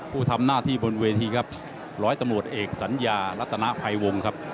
ผู้ทำหน้าที่บนเวทีครับร้อยตำรวจเอกสัญญารัตนภัยวงครับ